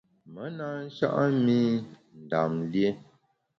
Me na sha’a mi Ndam lié.